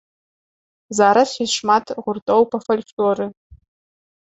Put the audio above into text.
Зараз ёсць шмат гуртоў па фальклоры.